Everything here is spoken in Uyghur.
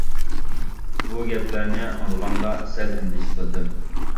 بۇ گەپلەرنى ئاڭلىغاندا سەل ئەندىشە قىلدىم.